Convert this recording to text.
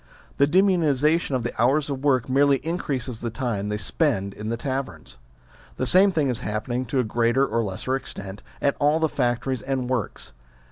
The diminution of the hours of work merely increases the time they spend in the taverns. THE FACTORY SYSTEM 43 The same thing is happening, to a greater or lesser extent, at all the factories and works.